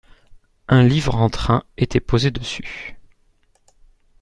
Un livre en train était posé dessus